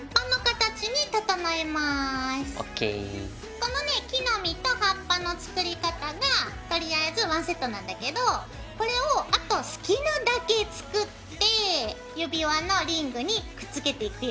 このね木の実と葉っぱの作り方がとりあえず１セットなんだけどこれをあと好きなだけ作って指輪のリングにくっつけていくよ。